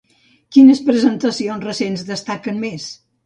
Quines presentacions recents destaquen més?